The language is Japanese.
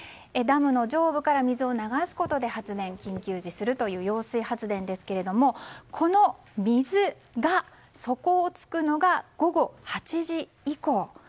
ダムの上部から水を流すことで発電を緊急時にするという揚水発電ですがこの水が底をつくのが午後８時以降。